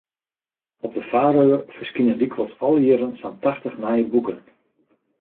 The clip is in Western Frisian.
Op de Faeröer ferskine lykwols alle jierren sa’n tachtich nije boeken.